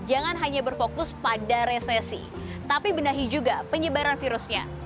jangan hanya berfokus pada resesi tapi benahi juga penyebaran virusnya